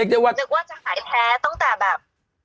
นึกว่าจะหายแท้ตั้งแต่แบบ